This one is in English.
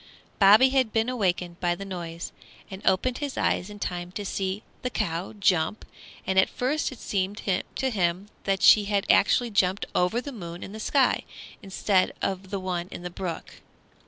Bobby had been awakened by the noise, and opened his eyes in time to see the cow jump; and at first it seemed to him that she had actually jumped over the moon in the sky, instead of the one in the brook.